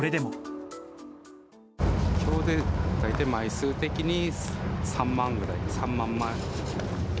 きょうで大体、枚数的に３万ぐらい、３万枚。